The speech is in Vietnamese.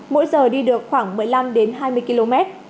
mỗi giờ đi được khoảng một mươi năm hai mươi km